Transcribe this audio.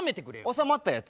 収まったやつ。